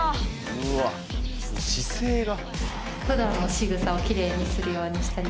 うわあ姿勢が。